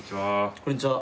こんにちは。